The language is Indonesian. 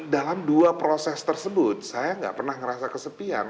dalam dua proses tersebut saya nggak pernah ngerasa kesepian